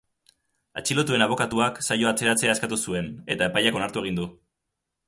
Atxilotuen abokatuak saioa atzeratzea eskatu zuen eta epaileak onartu egin du.